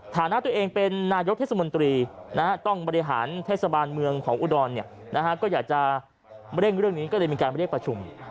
ฐานะตัวเองเป็นนายกเทศมนตรีต้องบริหารเทศบาลเมืองของอุดรก็อยากจะเร่งเรื่องนี้ก็เลยมีการเรียกประชุม